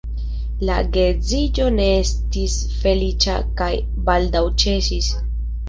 La geedziĝo ne estis feliĉa kaj baldaŭ ĉesis.